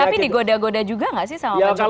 tapi digoda goda juga nggak sih sama pak jokowi